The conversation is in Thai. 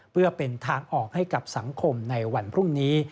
เพื่อเป็นทางออกให้กับสังคมในวันพรุ่งนี้